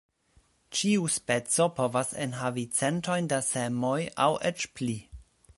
Ĉiu speco povas enhavi centojn da semoj aŭ eĉ pli.